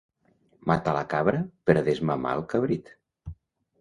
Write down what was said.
Matar la cabra per desmamar el cabrit.